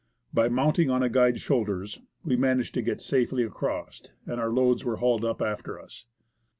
By mounting on a guide's shoulders, we managed to get safely across, and our loads were hauled up after us.